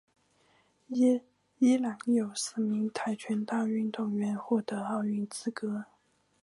伊朗有四名跆拳道运动员获得奥运资格。